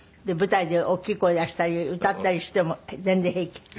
舞台で大きい声出したり歌ったりしても全然平気？